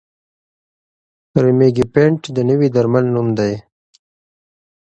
ریمیګیپینټ د نوي درمل نوم دی.